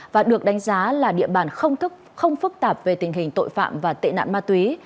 và được đánh giá là địa bàn không thức không phức tạp về tình hình tội phạm và tệ nạn ma túy